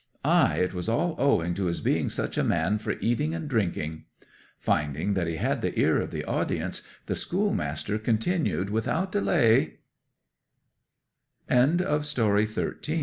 Ay, it was all owing to his being such a man for eating and drinking.' Finding that he had the ear of the audience, the schoolmaster continued without delay:— OLD ANDREY'